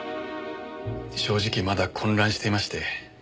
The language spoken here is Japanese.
正直まだ混乱していまして。